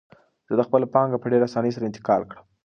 ده خپله پانګه په ډېرې اسانۍ سره انتقال کړه.